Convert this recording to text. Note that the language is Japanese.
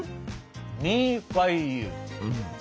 「ミーファイユー」？